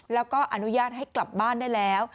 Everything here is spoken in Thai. แล้วก็อนุญาตให้กลับบ้านได้แล้ว